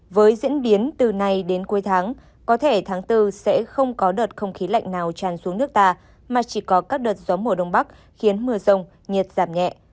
với diễn biến từ nay đến cuối tháng có thể tháng bốn sẽ không có đợt không khí lạnh nào tràn xuống nước ta mà chỉ có các đợt gió mùa đông bắc khiến mưa rông nhiệt giảm nhẹ